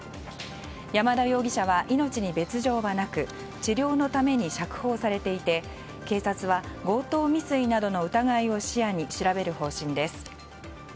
山田容疑者は、命に別条はなく治療のために釈放されていて警察は強盗未遂などの疑いも視野に調べる方針です。